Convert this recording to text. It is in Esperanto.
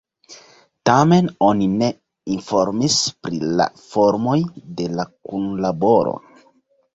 Tamen oni ne informis pri la formoj de la kunlaboro.